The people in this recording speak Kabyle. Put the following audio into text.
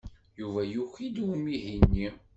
Yuba yuki i umihi-nni.